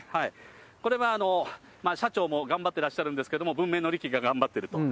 これは社長も頑張ってらっしゃるんですけれども、文明の利器が頑張っていると。